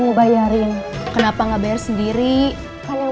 mau ke belang birokanya